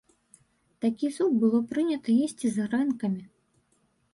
Такі суп было прынята есці з грэнкамі.